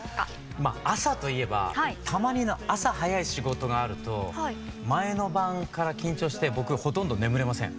まあ朝といえばたまにの朝早い仕事があると前の晩から緊張して僕ほとんど眠れません。